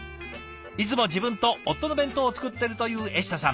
いつも自分と夫の弁当を作ってるというえしたさん。